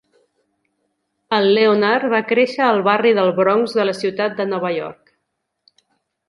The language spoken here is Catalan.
El Leonard va créixer al barri del Bronx de la ciutat de Nova York.